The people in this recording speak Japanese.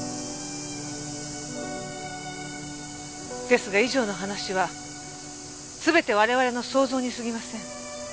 ですが以上の話はすべて我々の想像に過ぎません。